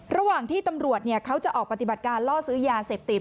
ระหว่างที่ตำรวจเขาจะออกปฏิบัติการล่อซื้อยาเสพติด